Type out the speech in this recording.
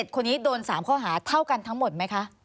คนนี้โดน๓ข้อหาเท่ากันทั้งหมดไหมคะ